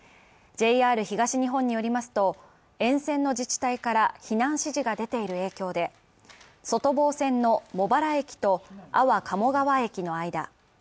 ＪＲ東日本によりますと、沿線の自治体から避難指示が出ている影響で、外房線の茂原駅と安房鴨川駅の間。